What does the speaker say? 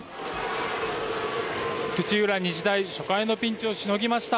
土浦日大、初回のピンチをしのぎました。